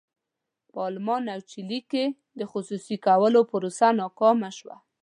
په المان او چیلي کې د خصوصي کولو پروسه ناکامه شوه.